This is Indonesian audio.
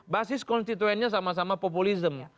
basis konstituennya sama sama populisme